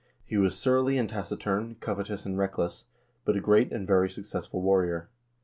He was surly and taciturn, covetous and reckless, but a great and very successful warrior."